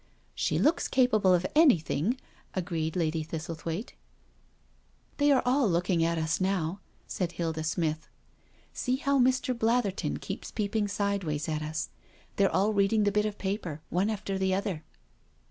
" She looks capable of anything,'* agreed Lady Thistlethwaite. " They are all looking at us now/' said Hilda Smith. " See how Mr. Blatherton keeps peeping sideways at us — they're all reading the bit of paper,, one after the other."